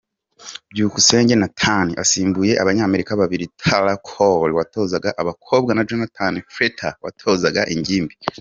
Byukusenge Nathan asimbuye Abanyamerika babiri Tarah Cole watozaga abakobwa na Jonathan Freter watozaga ingimbi.